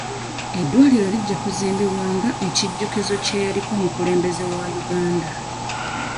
Eddwaliro lijja kuzimbibwa nga ekijjukizo ky'eyaliko omukulembeze wa Uganda.